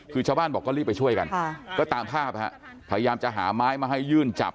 คือชาวบ้านบอกก็รีบไปช่วยกันก็ตามภาพพยายามจะหาไม้มาให้ยื่นจับ